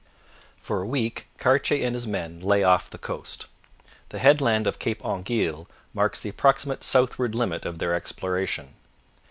For a week Cartier and his men lay off the coast. The headland of Cape Anguille marks the approximate southward limit of their exploration.